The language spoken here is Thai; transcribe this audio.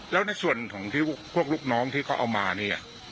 แล้วในส่วนของที่พวกลูกน้องที่เขาเอามานี่